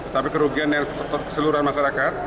tapi kerugian yang keseluruhan masyarakat